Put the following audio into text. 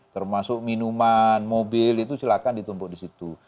termasuk minuman mobil itu silahkan ditumpuk disitu